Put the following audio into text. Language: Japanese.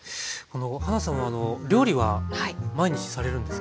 はなさんは料理は毎日されるんですか？